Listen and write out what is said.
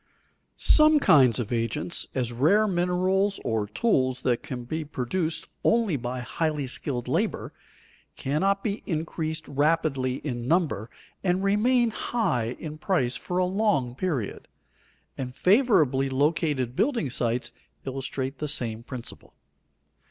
Some kinds of agents, as rare minerals or tools that can be produced only by highly skilled labor, cannot be increased rapidly in number and remain high in price for a long period; and favorably located building sites illustrate the same principle.